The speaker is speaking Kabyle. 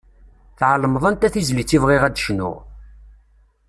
Tεelmeḍ anta tizlit i bɣiɣ ad d-cnuɣ.